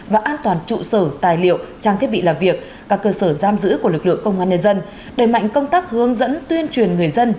và an toàn trụ sở tài liệu trang thiết bị làm việc các cơ sở giam giữ của lực lượng công an nhân dân đẩy mạnh công tác hướng dẫn tuyên truyền người dân